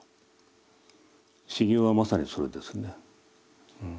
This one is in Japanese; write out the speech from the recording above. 修行はまさにそれですね。